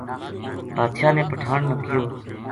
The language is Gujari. بادشاہ نے پٹھان نا کہیو